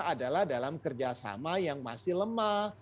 adalah dalam kerjasama yang masih lemah